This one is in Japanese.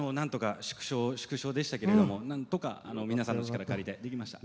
縮小でしたけどもなんとか、皆さんの力借りてできました。